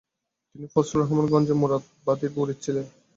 তিনি ফজলুর রহমান গঞ্জে মুরাদাবাদীর মুরিদ ছিলেন।